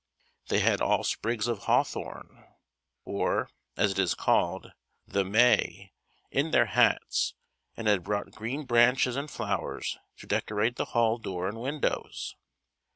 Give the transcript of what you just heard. They had all sprigs of hawthorn, or, as it is called, "the May," in their hats, and had brought green branches and flowers to decorate the Hall door and windows.